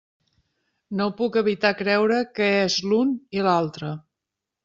No puc evitar creure que és l'un i l'altre.